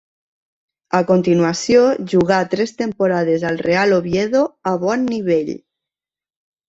A continuació jugà tres temporades al Real Oviedo a bon nivell.